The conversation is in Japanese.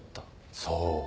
そう。